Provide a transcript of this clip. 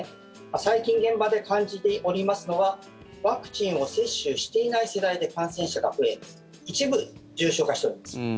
最近、現場で感じておりますのはワクチンを接種していない世代で感染者が増え一部、重症化しております。